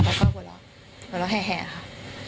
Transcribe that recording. เขาก็หวัดหลอกหวัดหลอกแห่ค่ะ